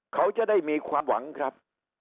เขาจะได้มีความหวังครับ